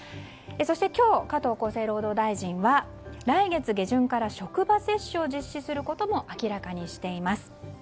そして今日、加藤厚生労働大臣は来月下旬から職場接種を実施することも明らかにしています。